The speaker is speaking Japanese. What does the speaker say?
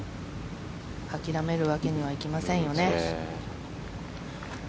諦めるわけにはいきませんよね。